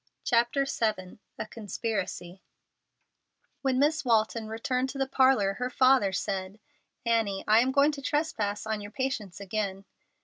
CHAPTER VII A CONSPIRACY When Miss Walton returned to the parlor her father said, "Annie, I am going to trespass on your patience again."